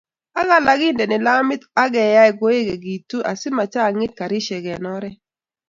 ak alak kendeno lamit ageyai koegigitu asimachangit karishek eng oret